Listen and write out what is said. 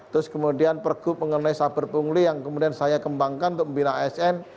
terus kemudian pergub mengenai saber pungli yang kemudian saya kembangkan untuk membina asn